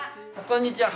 こんにちは。